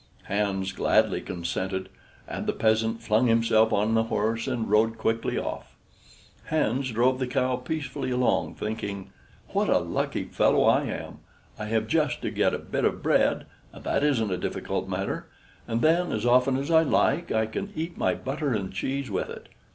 Hans gladly consented, and the peasant flung himself on the horse and rode quickly off. Hans drove the cow peacefully along, thinking: "What a lucky fellow I am! I have just to get a bit of bread (and that isn't a difficult matter) and then, as often as I like, I can eat my butter and cheese with it.